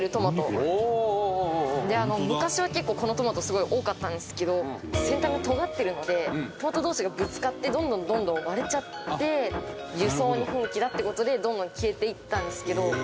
昔は結構このトマトすごい多かったんですけど先端がとがってるのでトマト同士がぶつかってどんどんどんどん割れちゃって輸送に不向きだって事でどんどん消えていったんですけど。